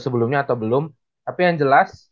sebelumnya atau belum tapi yang jelas